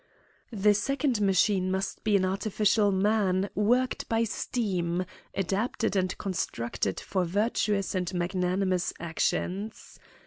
The second machine must be an artificial man worked by steam, adapted and constructed for virtuous and magnanimous actions.